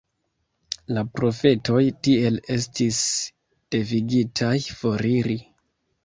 La profetoj tiel estis devigitaj foriri.